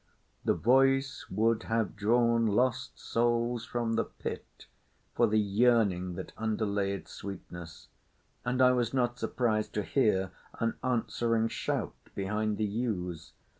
The voice would have drawn lost souls from the Pit, for the yearning that underlay its sweetness, and I was not surprised to hear an answering shout behind the yews.